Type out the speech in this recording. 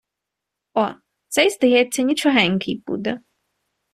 О, цей, здається, нічогенький буде!..